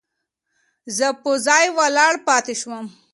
زه په ځای ولاړ پاتې شوم.